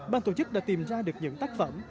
ban tổ chức đã tìm ra được những tác phẩm